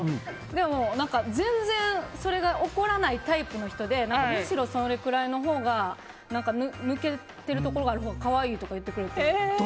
でも、全然それが怒らないタイプの人でむしろそれくらいのほうが抜けてるところがあるほうが可愛いとか言ってくれて。